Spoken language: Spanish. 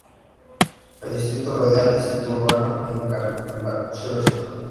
El Distrito rodea el Distrito Urbano de Karlsruhe.